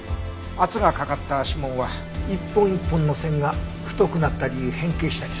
圧がかかった指紋は一本一本の線が太くなったり変形したりする。